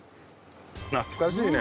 懐かしいね。